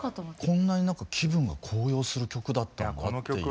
こんなに気分が高揚する曲だったんだっていう。